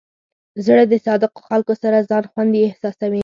زړه د صادقو خلکو سره ځان خوندي احساسوي.